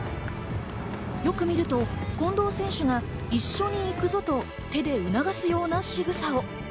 よく見ると近藤選手が一緒に行くぞと手で促すようなしぐさを。